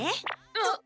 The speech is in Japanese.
あっ！